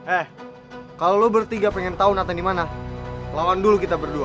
eh kalau lu bertiga pengen tau nathan di mana lawan dulu kita berdua